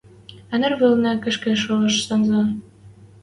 А ныр вӹлнӹ — кышкы шоэш сӹнзӓ —